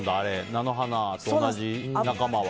菜の花と同じ仲間は。